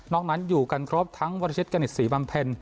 นั้นอยู่กันครบทั้งวรชิตกณิตศรีบำเพ็ญ